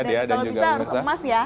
dan kalau bisa harus emas ya